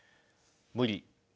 無理。